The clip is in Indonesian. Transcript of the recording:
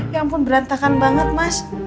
ya ampun berantakan banget mas